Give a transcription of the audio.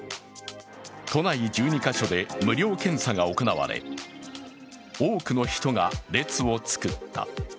都内１２カ所で無料検査が行われ、多くの人が列を作った。